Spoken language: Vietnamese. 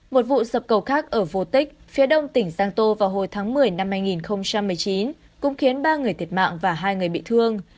một vụ sập cầu khác ở vô tích phía đông tỉnh giang tô vào hồi tháng một mươi năm hai nghìn một mươi chín cũng khiến ba người thiệt mạng và hai người bị thương